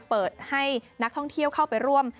เปิดให้นักท่องเที่ยวเข้าไปร่วม